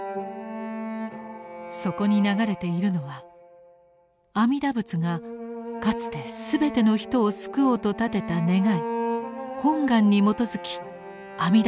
そこに流れているのは阿弥陀仏がかつて全ての人を救おうと立てた願い「本願」に基づき阿弥陀